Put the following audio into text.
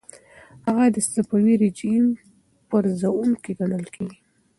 هغه د صفوي رژیم پرزوونکی ګڼل کیږي.